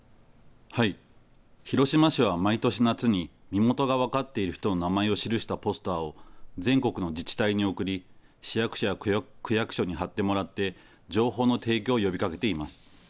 広島市は毎年夏に、身元が分かっている人の名前を記したポスターを全国の自治体に送り、市役所や区役所に貼ってもらって、情報の提供を呼びかけています。